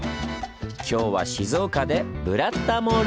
今日は静岡で「ブラタモリ」！